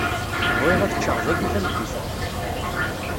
Bɣiɣ ad ččeɣ dagi tameddit-a.